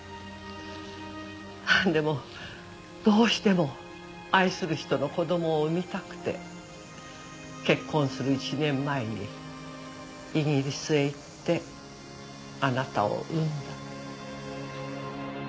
でもどうしても愛する人の子供を産みたくて結婚する１年前にイギリスへ行ってあなたを産んだ。